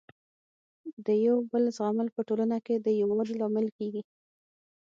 د یو بل زغمل په ټولنه کي د يووالي لامل کيږي.